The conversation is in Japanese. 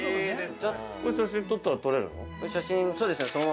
◆これ、写真撮ったら撮れるの？